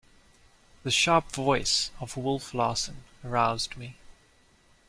The sharp voice of Wolf Larsen aroused me.